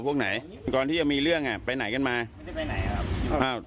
พวกไหนก่อนที่จะมีเรื่องอ่ะไปไหนกันมาไม่ได้ไปไหนครับอ้าว